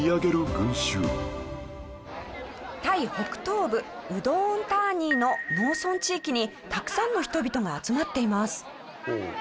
タイ北東部ウドーンターニーの農村地域にたくさんの人々が集まっています。